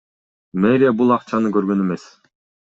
Мэрия бул акчаны көргөн эмес.